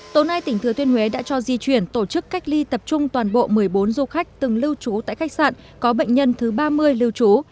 tối nay tỉnh thừa thiên huế đã cho di chuyển tổ chức cách ly tập trung toàn bộ một mươi bốn du khách từng lưu trú tại khách sạn có bệnh nhân thứ ba mươi lưu trú